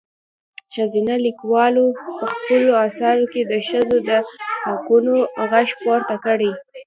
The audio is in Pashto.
ښځينه لیکوالو په خپلو اثارو کې د ښځو د حقونو غږ پورته کړی.